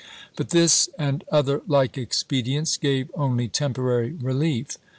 But this and other like expedients gave only temporary relief.